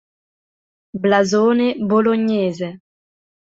Blasone Bolognese